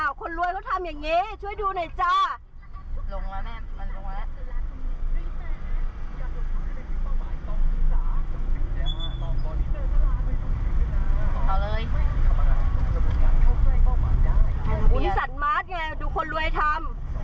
อุณิสันมาร์ชไงดูคนรวยทำ